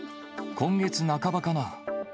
今月半ばかな？